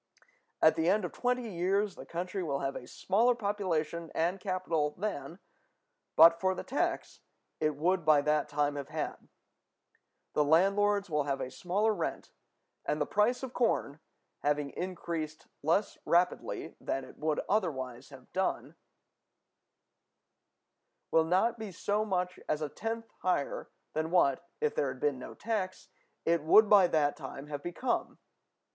At the end of twenty years the country will have a smaller population and capital than, but for the tax, it would by that time have had; the landlords will have a smaller rent, and the price of corn, having increased less rapidly than it would otherwise have done, will not be so much as a tenth higher than what, if there had been no tax, it would by that time have become.